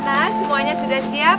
gimana semuanya sudah siap